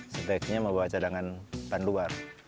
sebaiknya membawa cadangan ban luar